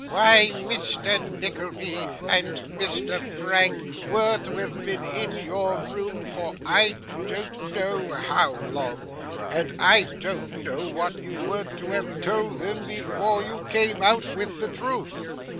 'Why, Mr. Nickleby and Mr. Frank were to have been in your room for I don't know how long; and I don't know what you weren't to have told them before you came out with the truth.